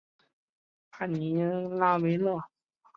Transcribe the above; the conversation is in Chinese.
帕尼拉维勒人口变化图示